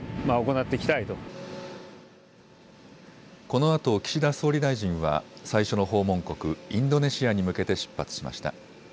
このあと岸田総理大臣は最初の訪問国、インドネシアに向けて出発しました。